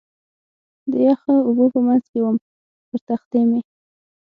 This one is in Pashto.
د یخو اوبو په منځ کې ووم، پر تختې مې.